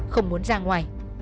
không muốn ra ngoài